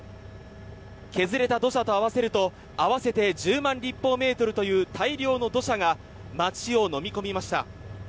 削れた土砂と合わせると合わせて１０万立方メートルという大量の土砂が街をのみ込みました。